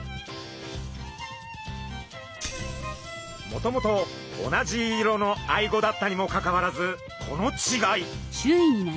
もともと同じ色のアイゴだったにもかかわらずこの違い。